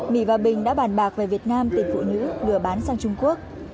mỹ và bình đã bàn bạc về việt nam tìm phụ nữ lừa bán sang trung quốc